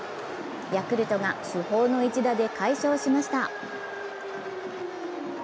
ヤクルトが主砲の一打で快勝しました。